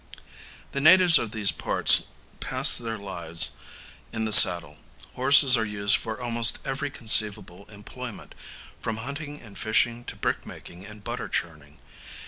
The natives of these parts pass their lives in the saddle. Horses are used for almost every conceivable employment, from hunting and fishing to brick making and butter churning.